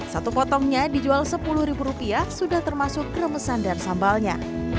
satu potongnya dijual sepuluh ribu rupiah sudah termasuk remesan dan sambalnya